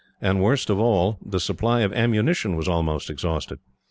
And, worst of all, the supply of ammunition was almost exhausted.